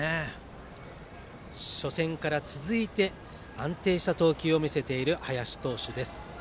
初戦から続いて安定した投球を見せている林投手です。